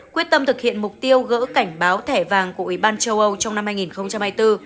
quyết tâm thực hiện mục tiêu gỡ cảnh báo thẻ vàng của ủy ban châu âu trong năm hai nghìn hai mươi bốn